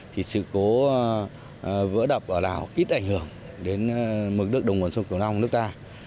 thì sự cố vỡ đập ở lào ít ảnh hưởng đến mực nước đồng bằng sông cửu long nước ta